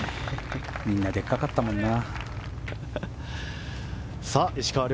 みんな、でかかったもんな。